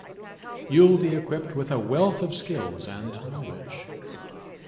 You’ll be equipped with a wealth of skills and knowledge.